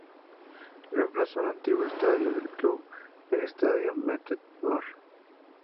Reemplazó al antiguo estadio del club, el estadio Meteor.